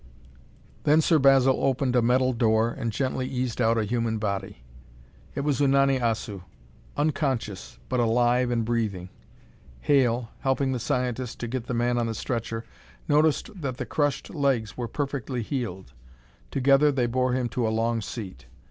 Then Sir Basil opened a metal door and gently eased out a human body. It was Unani Assu, unconscious but alive and breathing. Hale, helping the scientist to get the man on the stretcher, noticed that the crushed legs were perfectly healed. Together they bore him to a long seat.